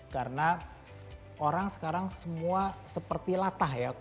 karena orang sekarang semua seperti latah ya